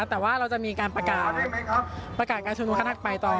แต่ว่าเราก็จะมีการประกาศการชมนุมขนาดไป